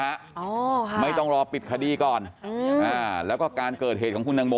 ฮะไม่ต้องรอปิดคดีก่อนแล้วก็การเกิดเหตุของคุณนางโม